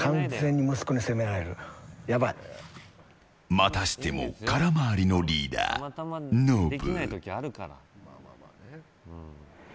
またしても空回りのリーダーノブ。